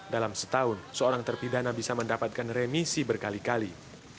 dalam setahun seorang terpidana bisa mendapatkan remisi berkali kali